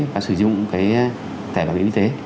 và sử dụng cái thẻ bảo hiểm y tế